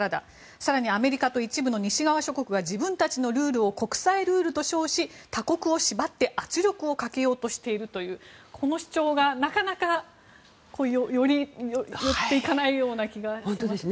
更にアメリカと一部の西側諸国が自分たちのルールを国際ルールと称し他国を縛って圧力をかけようとしているというこの主張がなかなか寄っていかないような気がしますね。